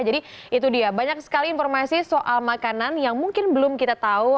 jadi itu dia banyak sekali informasi soal makanan yang mungkin belum kita tahu